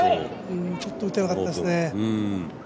うーん、ちょっと打てなかったですね。